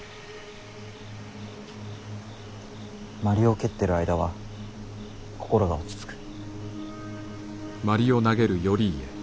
鞠を蹴ってる間は心が落ち着く。